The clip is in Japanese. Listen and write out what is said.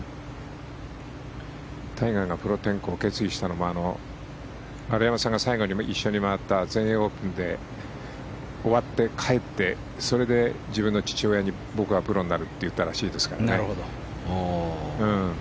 タイガーがプロ転向を決意したのも丸山さんが最後に一緒に回った全英オープンで終わって帰ってそれで自分の父親に僕はプロになるって言ったらしいですからね。